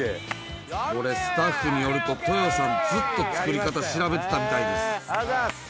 これ、スタッフによると、豊さん、ずっと作り方、調べてたありがとうございます。